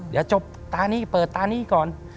เดี๋ยวจบตานี้เปิดตานี่ก่อน